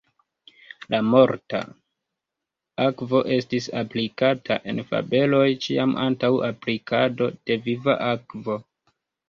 La morta akvo estis aplikata en fabeloj ĉiam antaŭ aplikado de viva akvo.